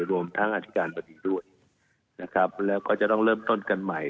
รวมทั้งอธิการบดีด้วยนะครับแล้วก็จะต้องเริ่มต้นกันใหม่